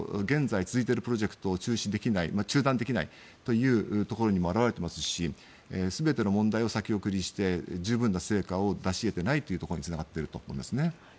現在、続いているプロジェクトを中止・中断できないというところにも表れていますし全ての問題を先送りして十分な成果を出しえていないということにつながっていると思いますね。